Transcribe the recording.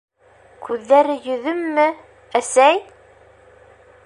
Күҙҙәре йөҙөммө, әсәй?!